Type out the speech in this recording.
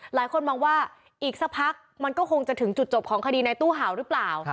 หลายคนมองว่าอีกสักพักมันก็คงจะถึงจุดจบของคดีในตู้เห่าหรือเปล่า